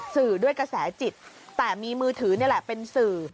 สื่อด้วยกระแสจิตแต่มีมือถือนี่แหละเป็นสื่อ